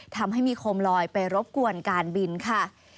ทำให้มีโคมลอยไปรบกวนการบินค่ะ